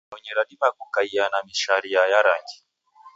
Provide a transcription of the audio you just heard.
Nyonyi radima kukaia na misharia ya rangi.